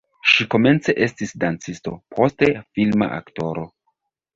Ŝi komence estis dancisto, poste filma aktoro.